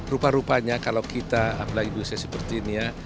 rupa rupanya kalau kita apalagi di usia seperti ini ya